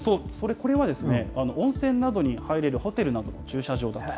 これは温泉などに入れるホテルなどの駐車場だと。